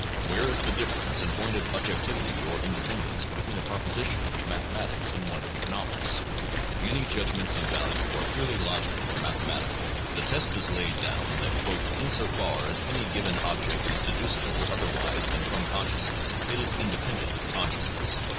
Where is the difference in point of objectivity or independence between a proposition of mathematics and one of economics? Many judgments of value are purely logical or PSYCHOLOGY AND SCIENTIFIC METHODS 209 mathematical. The test is laid down that "in so far as any given object is deducible otherwise than from consciousness, it is independ ent of consciousness" (p.